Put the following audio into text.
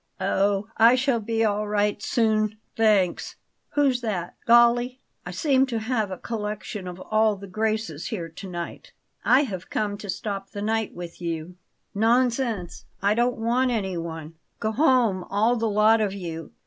"Oh, I shall be all right soon, thanks. Who's that Galli? I seem to have a collection of all the graces here to night." "I have come to stop the night with you." "Nonsense! I don't want anyone. Go home, all the lot of you.